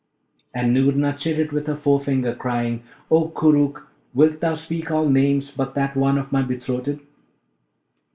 And Noorna chid it with her forefinger, crying, 'O Koorookh! wilt thou speak all names but that one of my betrothed?'